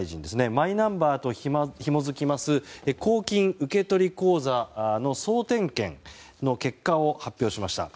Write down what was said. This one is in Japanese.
マイナンバーとひも付きます公金受取口座の総点検の結果を発表しました。